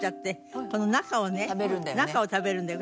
食べるんだよね。